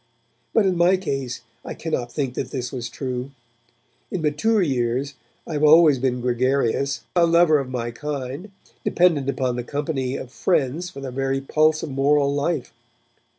But in my case I cannot think that this was true. In mature years I have always been gregarious, a lover of my kind, dependent upon the company of friends for the very pulse of moral life.